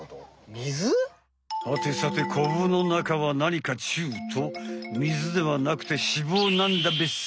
はてさてコブの中は何かちゅうと水ではなくて脂肪なんだべさ。